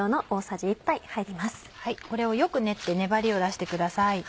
これをよく練って粘りを出してください。